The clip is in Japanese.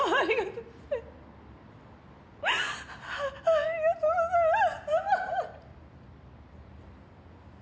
ありがとうございます。